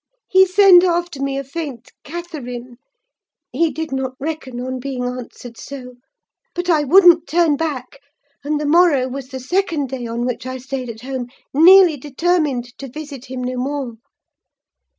He sent after me a faint 'Catherine!' He did not reckon on being answered so: but I wouldn't turn back; and the morrow was the second day on which I stayed at home, nearly determined to visit him no more.